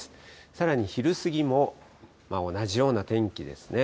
さらに、昼過ぎも同じような天気ですね。